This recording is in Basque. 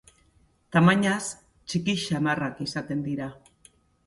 Tamainaz txiki samarrak izaten dira.